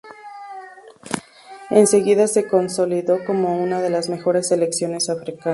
Enseguida se consolidó como una de las mejores selecciones africanas.